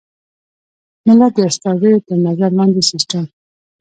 ملت د استازیو تر نظر لاندې سیسټم.